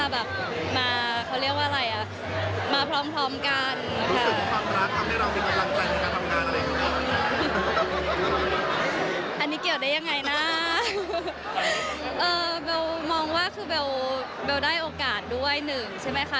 เดี๋ยวได้โอกาสด้วยหนึ่งใช่ไหมคะ